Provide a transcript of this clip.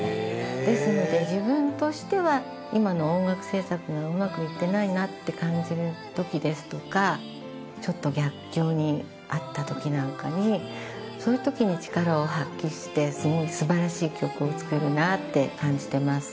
ですので自分としては今の音楽制作がうまくいってないなって感じる時ですとかちょっと逆境にあった時なんかにそういう時に力を発揮してすごい素晴らしい曲を作るなって感じてます。